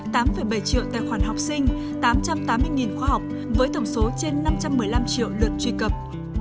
tám bảy triệu tài khoản học sinh tám trăm tám mươi khoa học với tổng số trên năm trăm một mươi năm triệu lượt truy cập